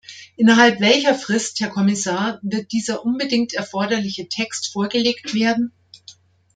Innerhalb welcher Frist, Herr Kommissar, wird dieser unbedingt erforderliche Text vorgelegt werden?